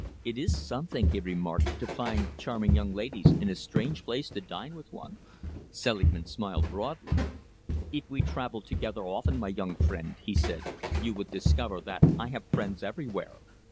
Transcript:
"It is something," he remarked, "to find charming young ladies in a strange place to dine with one." Selingman smiled broadly. "If we travelled together often, my young friend," he said, "you would discover that I have friends everywhere.